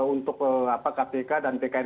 untuk kpk dan pkn